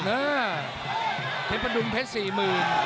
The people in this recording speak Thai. เออเพชรประดุมเพชร๔๐๐๐บาท